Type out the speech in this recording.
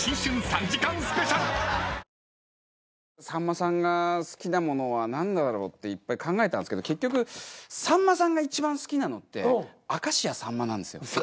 さんまさんが好きなものは何だろうっていっぱい考えたんですけど結局さんまさんがいちばん好きなのって明石家さんまなんですよ。